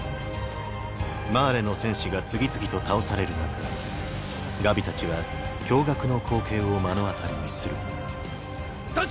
マーレの戦士が次々と倒される中ガビたちは驚愕の光景を目の当たりにする団長！！